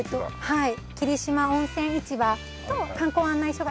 はい。